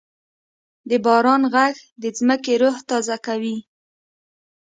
د باران ږغ د ځمکې روح تازه کوي.